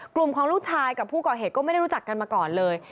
กลุ่มของลูกชายกับผู้ก่อเหตุก็ไม่ได้รู้จักกันมาก่อนเลย